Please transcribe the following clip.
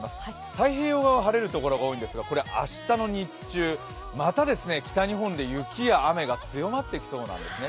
太平洋側は晴れる所が多いんですが、明日の日中、また北日本で雪や雨が強まってきそうなんですね。